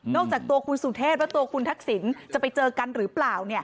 นอกจากตัวคุณสุทธิพย์และตัวคุณทักศิลป์จะไปเจอกันหรือเปล่า